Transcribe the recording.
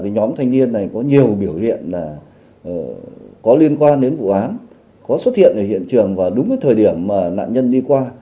nhóm thanh niên này có nhiều biểu hiện có liên quan đến vụ án có xuất hiện ở hiện trường và đúng thời điểm mà nạn nhân đi qua